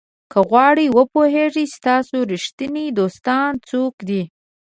که غواړئ وپوهیږئ ستاسو ریښتیني دوستان څوک دي.